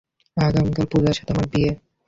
আগামীকাল পুজার সাথে আমার বিয়ে।